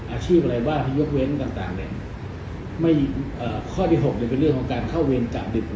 อาชีพอะไรบ้างที่ยกเว้นต่างเนี่ยไม่ข้อที่๖เนี่ยเป็นเรื่องของการเข้าเวรกาดดึก